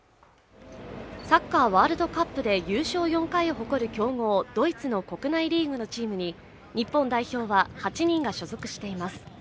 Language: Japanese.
サッカーワールドカップで優勝４回を誇る強豪ドイツの国内リーグのチームに日本代表は８人が所属しています